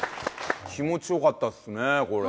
気持ち良かったですねこれ。